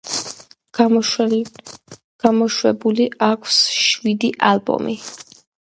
გამოშვებული აქვს შვიდი ალბომი.